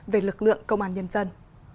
về lực lượng công an nhân dân